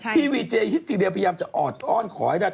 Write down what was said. วีเจฮิสซีเรียพยายามจะออดอ้อนขอให้ได้